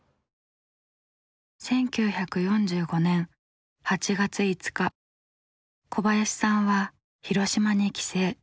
１９４５年８月５日小林さんは広島に帰省。